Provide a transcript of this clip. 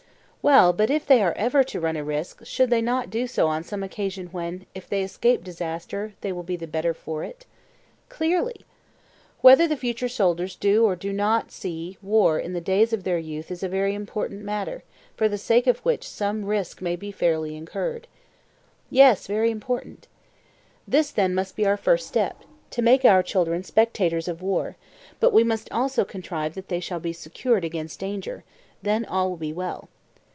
Well, but if they are ever to run a risk should they not do so on some occasion when, if they escape disaster, they will be the better for it? Clearly. Whether the future soldiers do or do not see war in the days of their youth is a very important matter, for the sake of which some risk may fairly be incurred. Yes, very important. This then must be our first step,—to make our children spectators of war; but we must also contrive that they shall be secured against danger; then all will be well.